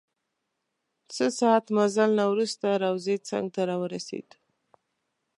څه ساعت مزل نه وروسته روضې څنګ ته راورسیدو.